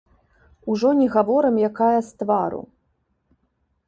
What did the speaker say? Ужо не гаворым, якая з твару.